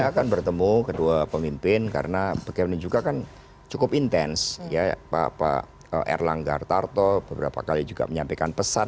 saya akan bertemu kedua pemimpin karena begini juga kan cukup intens ya pak pak erlangga artarto beberapa kali juga menyampaikan pesan